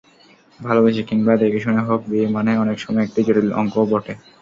ভালোবেসে কিংবা দেখে-শুনে হোক, বিয়ে মানে অনেক সময় একটি জটিল অঙ্কও বটে।